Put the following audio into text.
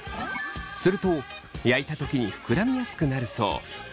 すると焼いた時に膨らみやすくなるそう。